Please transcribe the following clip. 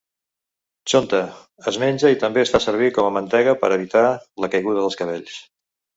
Chonta: es menja i també es fa servir com a mantega per evitar la caiguda dels cabells.